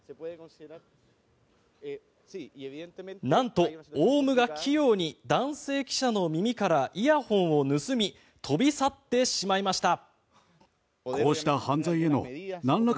なんと、オウムが器用に男性記者の耳からイヤホンを盗み飛び去ってしまいました。